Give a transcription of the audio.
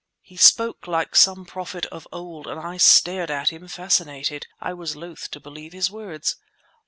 He spoke like some prophet of old and I stared at him fascinated. I was loth to believe his words.